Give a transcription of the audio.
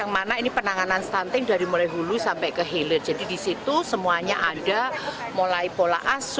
satu enam ratus tujuh puluh lima rumah penanganan stunting lintas sektoral bagi anak atau rumah pelita